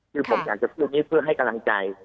คือผมอยากจะพูดนี้เพื่อให้กำลังใจ